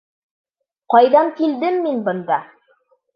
Ҡайҙан килдем мин бында?!